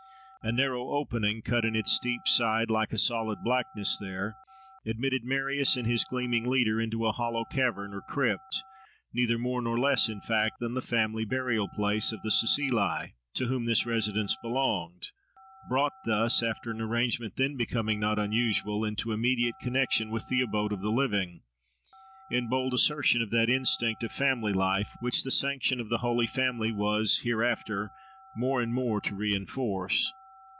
A narrow opening cut in its steep side, like a solid blackness there, admitted Marius and his gleaming leader into a hollow cavern or crypt, neither more nor less in fact than the family burial place of the Cecilii, to whom this residence belonged, brought thus, after an arrangement then becoming not unusual, into immediate connexion with the abode of the living, in bold assertion of that instinct of family life, which the sanction of the Holy Family was, hereafter, more and more to reinforce.